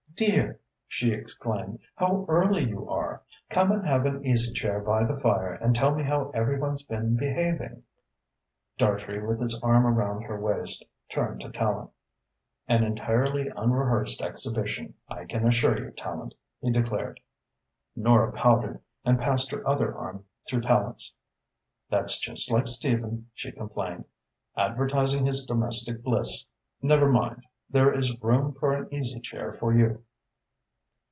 "Dear," she exclaimed, "how early you are! Come and have an easy chair by the fire and tell me how every one's been behaving." Dartrey, with his arm around her waist, turned to Tallente. "An entirely unrehearsed exhibition, I can assure you, Tallente," he declared. Nora pouted and passed her other arm through Tallente's. "That's just like Stephen," she complained, "advertising his domestic bliss. Never mind, there is room for an easy chair for you."